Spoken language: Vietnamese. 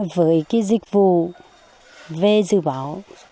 với cái dịch vụ về dư bảo